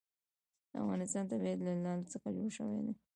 د افغانستان طبیعت له لعل څخه جوړ شوی دی.